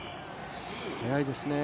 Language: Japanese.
早いですね